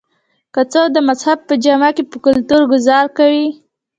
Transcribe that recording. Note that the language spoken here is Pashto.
کۀ څوک د مذهب پۀ جامه کښې پۀ کلتور ګذار کوي